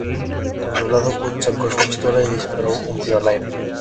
El soldado Wood sacó su pistola y disparó un tiro al aire.